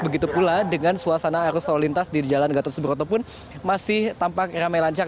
begitu pula dengan suasana arus lalu lintas di jalan gatot subroto pun masih tampak ramai lancar